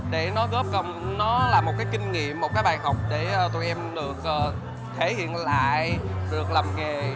để nó góp công nó là một cái kinh nghiệm một cái bài học để tụi em được thể hiện lại được làm nghề